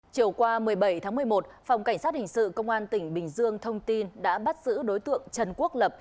chiều qua một mươi bảy tháng một mươi một phòng cảnh sát hình sự công an tỉnh bình dương thông tin đã bắt giữ đối tượng trần quốc lập